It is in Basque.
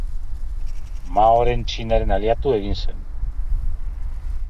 Maoren Txinaren aliatu egin zen.